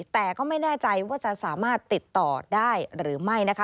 แต่ก็ไม่แน่ใจว่าจะสามารถติดต่อได้หรือไม่นะคะ